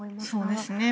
そうですね。